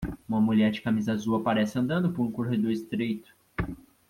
Uma mulher de camisa azul aparece andando por um corredor estreito.